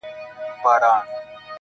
سپوږمۍ له ځانه څخه ورکه نه شې